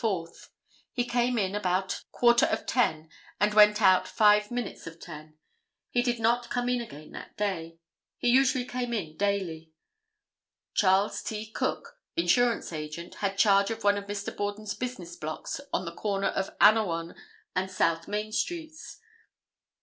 4. He came in about quarter of 10 and went out five minutes of 10. He did not come in again that day. He usually came in daily. Charles T. Cook, insurance agent, had charge of one of Mr. Borden's business blocks on the corner of Anawan and South Main streets.